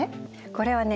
これはね